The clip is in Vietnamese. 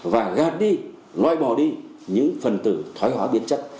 và gát đi loại bỏ đi những phần tử thoái hóa biến chất